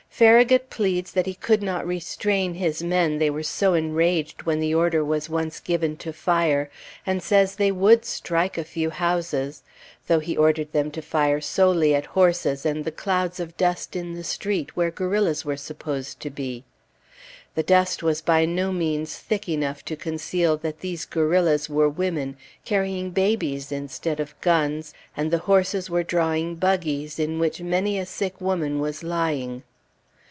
Farragut pleads that he could not restrain his men, they were so enraged when the order was once given to fire, and says they would strike a few houses, though he ordered them to fire solely at horses, and the clouds of dust in the street, where guerrillas were supposed to be. The dust was by no means thick enough to conceal that these "guerrillas" were women, carrying babies instead of guns, and the horses were drawing buggies in which many a sick woman was lying.